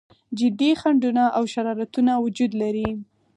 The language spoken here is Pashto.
جدي خنډونه او شرارتونه وجود لري.